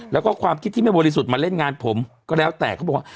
แล้วก็ความคิดที่ไม่บริสุทธิ์มาเล่นงานผมก็แล้วแต่เขาบอกว่า